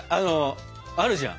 あるじゃん？